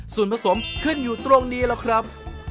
ส่วนผสมขึ้นอยู่ตรงนี้แล้วครับ